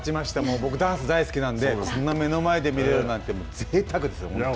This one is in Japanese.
僕、ダンス大好きなんでこんな目の前で見られるなんて、ぜいたくですよ。